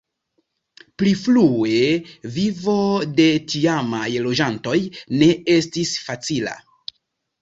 Pli frue vivo de tiamaj loĝantoj ne estis facila.